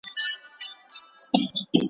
له دښتونو څخه ستون سو تش لاسونه ,